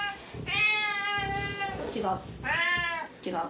違う。